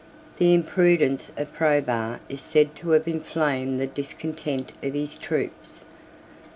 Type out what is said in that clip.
The imprudence of Probus is said to have inflamed the discontent of his troops.